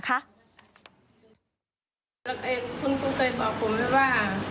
คุณครูเกิดบอกผมว่า